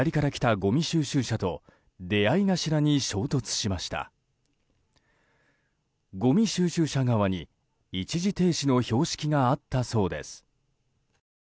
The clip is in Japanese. ごみ収集車側に一時停止の標識があったそうです。